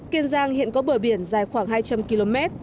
kiên giang hiện có bờ biển dài khoảng hai trăm linh km